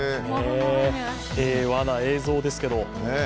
平和な映像ですけど。